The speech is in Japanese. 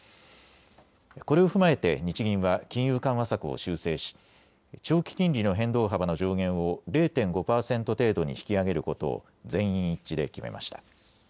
これを踏まえて日銀は金融緩和策を修正し、長期金利の変動幅の上限を０．５％程度に引き上げることを全員一致で決めました。